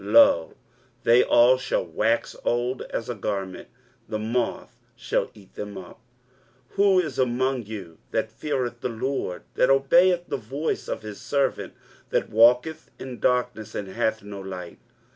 lo, they all shall wax old as a garment; the moth shall eat them up. 23:050:010 Who is among you that feareth the LORD, that obeyeth the voice of his servant, that walketh in darkness, and hath no light?